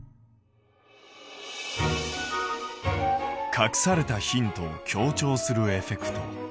隠されたヒントを強調するエフェクト。